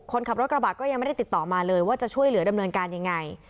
คนขับรถกระบะก็ยังไม่ได้ติดต่อมาเลยว่าจะช่วยเหลือดำเนินการยังไง